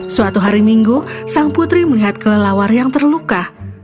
suatu hari minggu sang putri melihat kelelawar yang terluka